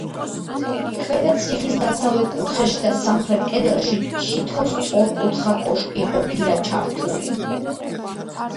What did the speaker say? ქვედა ციხის დასავლეთ კუთხეში და სამხრეთ კედელში თითო სწორკუთხა კოშკი ყოფილა ჩართული.